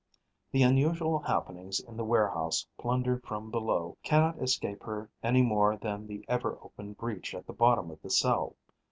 The unusual happenings in the warehouse plundered from below cannot escape her any more than the ever open breach at the bottom of the cell.